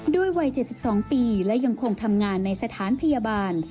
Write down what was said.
วัย๗๒ปีและยังคงทำงานในสถานพยาบาล